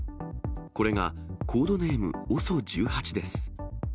これがコードネーム、ＯＳＯ１８です。